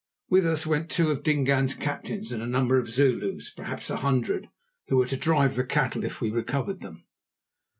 With us went two of Dingaan's captains and a number of Zulus, perhaps a hundred, who were to drive the cattle if we recovered them.